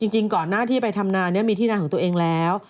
จริงก่อนหน้าที่ไปทำนามีที่นาของตัวเองแล้ว